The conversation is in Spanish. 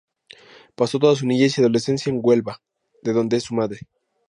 Pasó toda su niñez y adolescencia en Huelva, de donde es su madre.